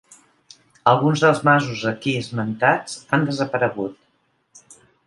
Alguns dels masos aquí esmentats han desaparegut.